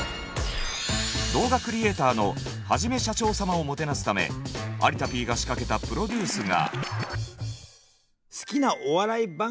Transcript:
動画クリエーターのはじめしゃちょー様をもてなすため有田Ｐが仕掛けたプロデュースが。